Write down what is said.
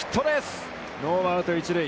ノーアウト、一塁。